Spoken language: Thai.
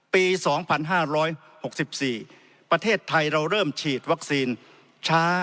ปี๒๕๖๔ประเทศไทยเราเริ่มฉีดวัคซีนช้า